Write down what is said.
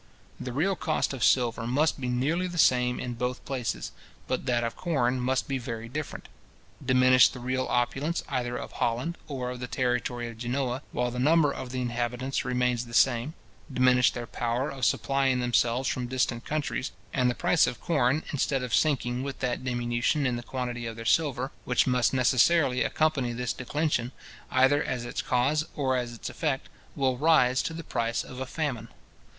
The real cost of silver must be nearly the same in both places; but that of corn must be very different. Diminish the real opulence either of Holland or of the territory of Genoa, while the number of their inhabitants remains the same; diminish their power of supplying themselves from distant countries; and the price of corn, instead of sinking with that diminution in the quantity of their silver, which must necessarily accompany this declension, either as its cause or as its effect, will rise to the price of a famine.